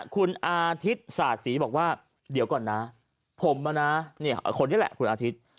คุณอาทิตย์ศาสีบอกว่าเดี๋ยวก่อนนะผมคนนี้แหละคุณอาทิตย์